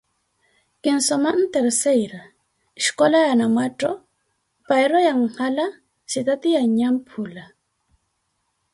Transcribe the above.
Kinsoma nterseyira, xkola wa Nanwattho, payiro ya N`hala, sitate ya N`nyamphula.